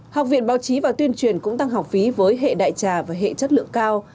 học viện báo chí và tuyên truyền cũng tăng học phí với hệ đại trà và hệ chất lượng cao